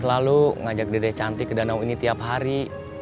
selalu ngajak dede cantik ke danau ini tiap hari